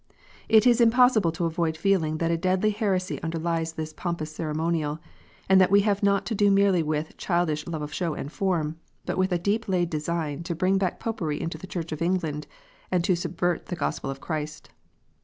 It is impossible to avoid feeling that a deadly heresy underlies this pompous ceremonial, and that we have not to do merely with a childish love of show and form, but with a deep laid design to bring back Popery into the Church of England, and to subvert the Gospel of Christ.